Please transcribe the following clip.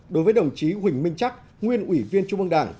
một đối với đồng chí huỳnh minh chắc nguyên ủy viên trung mương đảng